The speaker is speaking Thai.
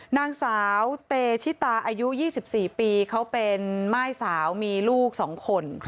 นางสาวเตชิตาอายุ๒๔ปีเขาเป็นม่ายสาวมีลูก๒คน